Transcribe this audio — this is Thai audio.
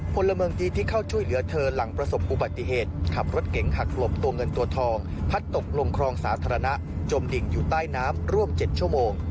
พลเมืองดีที่เข้าช่วยเหลือเธอหลังประสบอุบัติเหตุขับรถเก๋งหักหลบตัวเงินตัวทองพัดตกลงคลองสาธารณะจมดิ่งอยู่ใต้น้ำร่วม๗ชั่วโมง